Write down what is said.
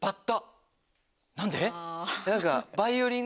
何で？